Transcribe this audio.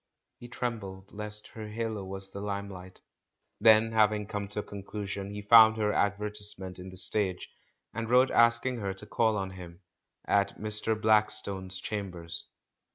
He trembled lest her halo was the limelight. Then having come to a conclusion, Le found her advertisement in The Stage, and wrote ask ing her to call on him "at Mr. Blackstone's cham bers."